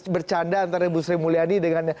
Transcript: bercanda antara bu sri mulyani dengan